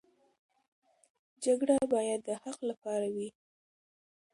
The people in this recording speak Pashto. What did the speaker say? جګړه باید د حق لپاره وي.